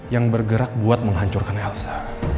yang bergerak buat menghancurkan helsa